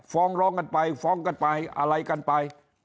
ฟ้องร้องกันไปฟ้องกันไปอะไรกันไป